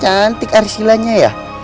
cantik aris silanya ya